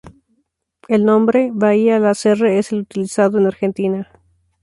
El nombre "bahía Lasserre" es el utilizado en Argentina.